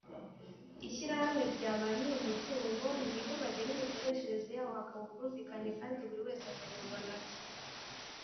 Ishyirahamwe rya ba nyir’umutungo nibo bagena imikoreshereze yawo hakaba ubwumvikane kandi buri wese akanyurwa nabyo.